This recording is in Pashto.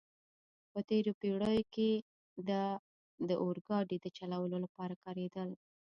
په تېرو پېړیو کې دا د اورګاډو د چلولو لپاره کارېدل.